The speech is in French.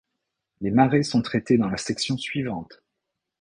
Les marées sont traitées dans la section suivante.